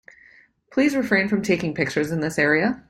Please refrain from taking pictures in this area.